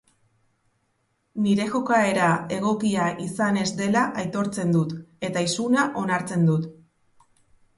Nire jokaera egokia izan ez dela aitortzen dut eta isuna onartzen dut.